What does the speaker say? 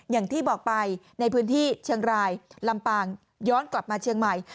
อย่างที่บอกไปในพื้นที่เชียงรายลำปางย้อนกลับมาเชียงใหม่